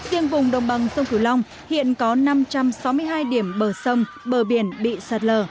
riêng vùng đồng bằng sông cửu long hiện có năm trăm sáu mươi hai điểm bờ sông bờ biển bị sạt lở